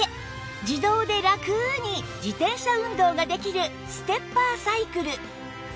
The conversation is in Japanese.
自動でラクに自転車運動ができるステッパーサイクル